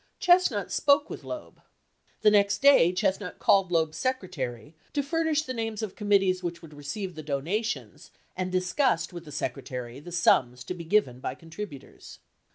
Chestnut spoke with Loeb; the next day Chestnut called Loeb's secretary to furnish the names of committees which would receive the donations and discussed with the secretary the sums to be given by contributors.